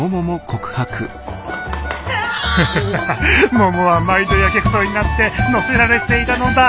ハハハハももは毎度やけくそになって乗せられていたのだ！